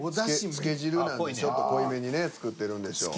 つけ汁なんでちょっと濃いめにね作ってるんでしょう。